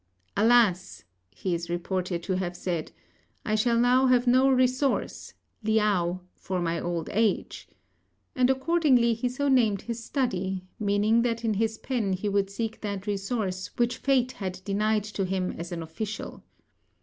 "Alas!" he is reported to have said, "I shall now have no resource (Liao) for my old age;" and accordingly he so named his study, meaning that in his pen he would seek that resource which fate had denied to him as an official.